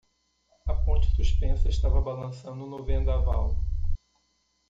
A ponte suspensa estava balançando no vendaval.